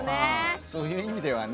そういう意味ではね